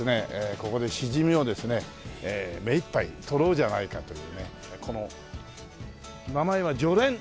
ここでしじみをですね目いっぱいとろうじゃないかというねこの名前はジョレン。